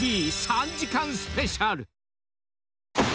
ＴＶ」３時間スペシャル。